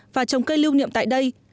và trồng cây lưu niệm tại đây